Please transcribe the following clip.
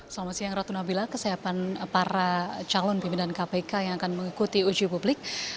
selamat siang ratu nabila kesiapan para calon pimpinan kpk yang akan mengikuti uji publik